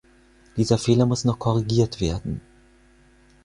Dieser Fehler muss noch korrigiert werden.